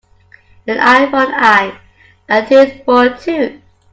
An eye for an eye and a tooth for a tooth.